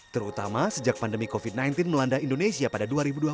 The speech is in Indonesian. terutama sejak pandemi covid sembilan belas melanda indonesia pada dua ribu dua puluh